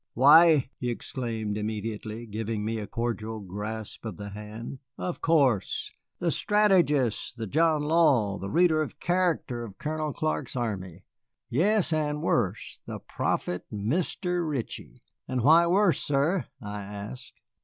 "Why," he exclaimed immediately, giving me a cordial grasp of the hand "of course. The strategist, the John Law, the reader of character of Colonel Clark's army. Yes, and worse, the prophet, Mr. Ritchie." "And why worse, sir?" I asked.